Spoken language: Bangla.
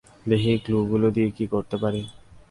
দেখি ক্লুগুলো দিয়ে কী করতে পারি।